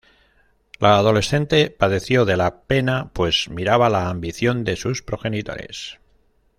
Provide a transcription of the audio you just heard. La adolescente padeció de la pena pues miraba la ambición de sus progenitores.